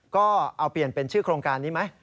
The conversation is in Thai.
ก็เอาเปลี่ยนเป็นชื่อโครงการนี้ไหม